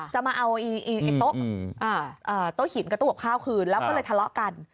จะมาเอาอีกโต๊ะโต๊ะหินกับโต๊ะหกข้าวคืนแล้วก็เลยทะเลาะกัน